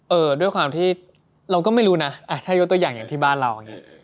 ด้วยความที่เราก็ไม่รู้นะถ้ายกตัวอย่างอย่างที่บ้านเราอย่างนี้